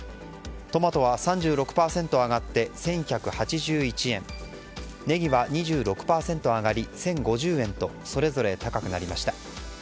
トマトは３６％上がって１１８１円ネギは２６％上がり１０５０円とそれぞれ高くなりました。